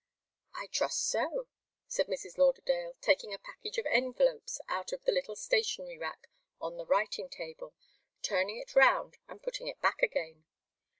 "I trust so," said Mrs. Lauderdale, taking a package of envelopes out of the little stationery rack on the writing table, turning it round and putting it back again.